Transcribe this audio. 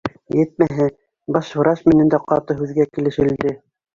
Етмәһә, баш врач менән дә ҡаты һүҙгә килешелде